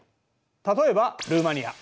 例えばルーマニア。